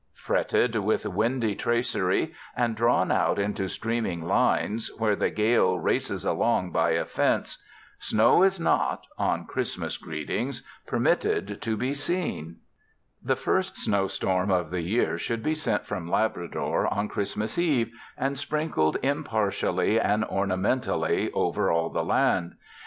Fretted with windy tracery and drawn out into streaming lines where the gale races along by a fence, snow is not, on Christmas greetings, permitted to be seen. The first snowstorm of the year should be sent from Labrador on Christmas Eve and sprinkled impartially and ornamentally over all the land.